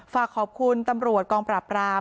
ฝากขอบคุณตำรวจกองปราบราม